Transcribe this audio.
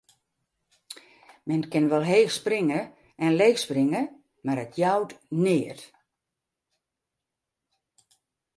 Men kin wol heech springe en leech springe, mar it jout neat.